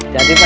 jadi pak ya